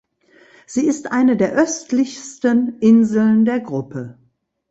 Sie ist eine der östlichsten Inseln der Gruppe.